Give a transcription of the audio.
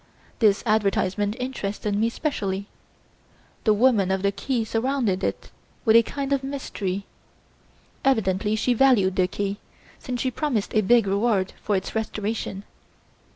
This advertisement interested me specially; the woman of the key surrounded it with a kind of mystery. Evidently she valued the key, since she promised a big reward for its restoration!